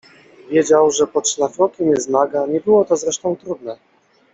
Wiedział, że pod szlafrokiem jest naga, nie było to zresztą trudne.